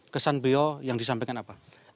kesan beliau yang disampaikan apa